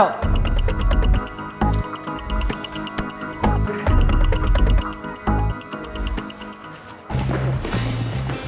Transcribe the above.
sel sel sel sel